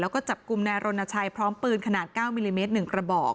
แล้วก็จับกลุ่มนายรณชัยพร้อมปืนขนาด๙มิลลิเมตร๑กระบอก